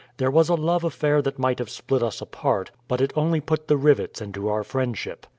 There was a love affair that might have split us apart; but it only put the rivets into our friendship.